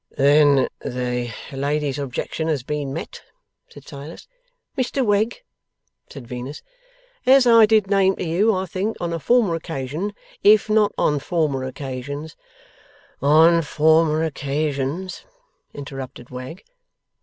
'Then the lady's objection has been met?' said Silas. 'Mr Wegg,' said Venus, 'as I did name to you, I think, on a former occasion, if not on former occasions ' 'On former occasions,' interrupted Wegg.